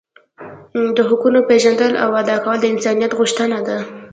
د حقونو پیژندل او ادا کول د انسانیت غوښتنه ده.